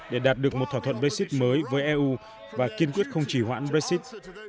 để đạt được một thỏa thuận brexit mới với eu và kiên quyết không chỉ hoãn brexit